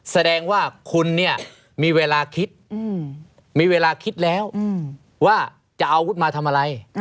แสดงว่าคุณเนี่ยมีเวลาคิดมีเวลาคิดแล้วว่าจะเอาอาวุธมาทำอะไร